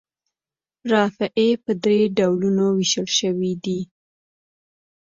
رافعې په درې ډولونو ویشل شوي دي.